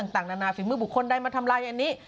ต่างนาฟิกมือบุคคลได้มาทำไรอันนี้